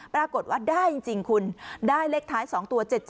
ปรากฏว่าได้จริงคุณได้เลขท้าย๒ตัว๗๗